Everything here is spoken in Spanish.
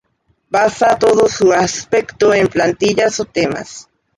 Basa todo su aspecto en plantillas o temas.